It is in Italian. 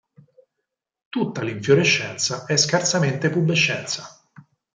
Tutta l'infiorescenza è scarsamente pubescenza.